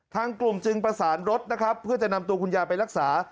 ทางกลุ่มจึงประสานรถนะครับเพื่อจะนำตัวคุณยายไปรักษา